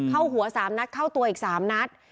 เข้าหัวสามนัดเข้าตัวอีกสามนัด